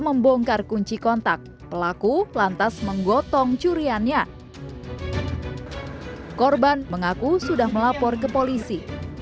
membongkar kunci kontak pelaku lantas menggotong curiannya korban mengaku sudah melapor ke polisi